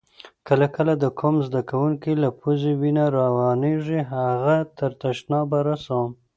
کله کله د کوم زده کونکي له پوزې وینه روانیږي هغه تر تشناب رسوم.